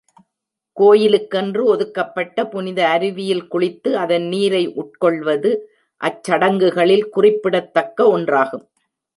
கோயிலுக்கென்று ஒதுக்கப்பட்ட புனித அருவியில் குளித்து, அதன் நீரை உட்கொள்வது அச்சடங்குகளில் குறிப்பிடத்தக்க ஒன்றாகும்.